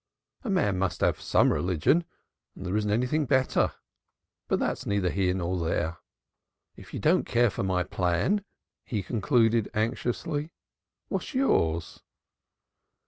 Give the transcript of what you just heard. A man must have some religion, and there isn't anything better. But that's neither here nor there. If you don't care for my plan," he concluded anxiously, "what's yours?"